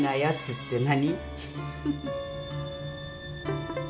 って何？